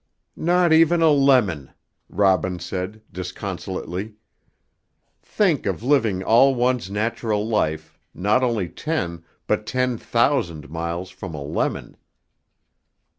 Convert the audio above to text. "Not even a lemon!" Robin said disconsolately. "Think of living all one's natural life not only ten, but ten thousand miles from a lemon."